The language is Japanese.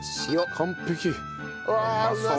完璧！